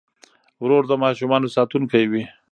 ورور د ماشومانو ساتونکی وي.